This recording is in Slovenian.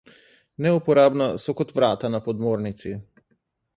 Neuporabna so kot vrata na podmornici.